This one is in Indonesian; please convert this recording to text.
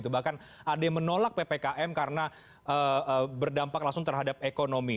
bahkan ada yang menolak ppkm karena berdampak langsung terhadap ekonomi